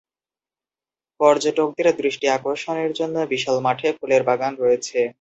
পর্যটকদের দৃষ্টি আকর্ষণের জন্য বিশাল মাঠে ফুলের বাগান রয়েছে।